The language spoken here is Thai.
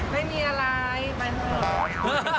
ไม่มีอะไรแมนเหรอ